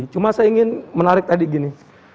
cuma saya ingin menarik tadi gini